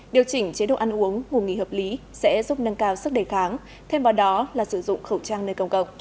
điều chỉnh chế độ ăn uống ngủ nghỉ hợp lý sẽ giúp nâng cao sức đề kháng thêm vào đó là sử dụng khẩu trang nơi công cộng